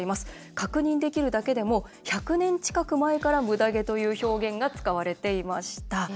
確認できるだけでも１００年近く前からムダ毛という表現が使われていました。